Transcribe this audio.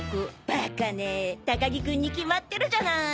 バカね高木君に決まってるじゃない！